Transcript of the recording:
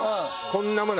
こんなもの